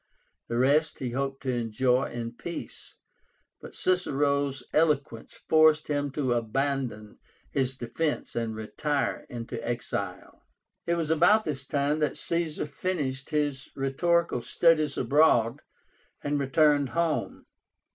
The rest he hoped to enjoy in peace, but Cicero's eloquence forced him to abandon his defence and retire into exile. It was about this time that Caesar finished his rhetorical studies abroad, and returned home.